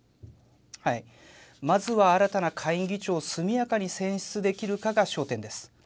まずは新たな下院議長を速やかに選出できるかが焦点です。